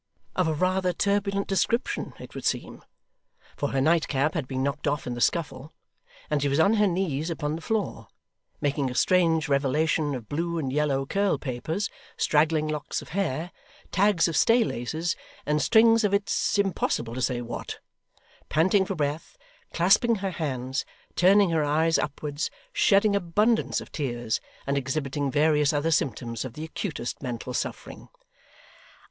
Of a rather turbulent description, it would seem; for her nightcap had been knocked off in the scuffle, and she was on her knees upon the floor, making a strange revelation of blue and yellow curl papers, straggling locks of hair, tags of staylaces, and strings of it's impossible to say what; panting for breath, clasping her hands, turning her eyes upwards, shedding abundance of tears, and exhibiting various other symptoms of the acutest mental suffering.